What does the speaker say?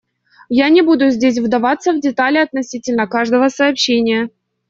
Я не буду здесь вдаваться в детали относительно каждого сообщения.